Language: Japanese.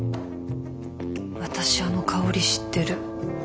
私あの香り知ってる。